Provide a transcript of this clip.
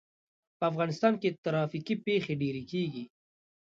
په افغانستان کې ترافیکي پېښې ډېرې کېږي.